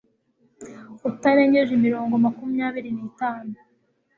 utarengeje imirongo makumyabiri n'itanu